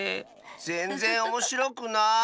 ぜんぜんおもしろくない。